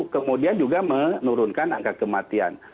kemudian juga menurunkan angka kematian